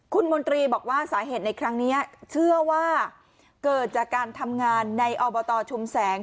คุณมนตรีบอกว่าสาเหตุในครั้งนี้เชื่อว่าเกิดจากการทำงานในอบตชุมแสง